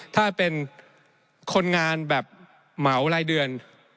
ถ้าเป็นคนงานแบบเหมารายเดือน